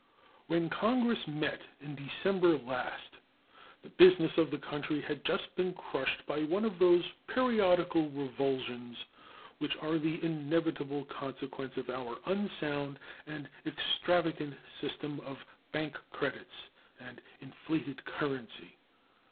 When Congress met in December last the business of the country had just been crushed by one of those periodical revulsions which are the inevitable consequence of our unsound and extravagant system of bank credits and inflated currency.